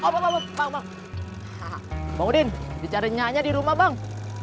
bang udin dicari nyanyi di rumah bang